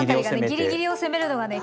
ギリギリを攻めるのがね